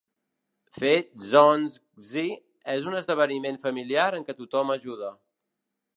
Fer zongzi és un esdeveniment familiar en què tothom ajuda.